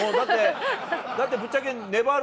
だってぶっちゃけねばる